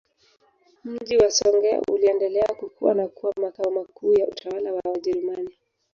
Mji wa Songea uliendelea kukua na kuwa Makao makuu ya utawala wa Wajerumani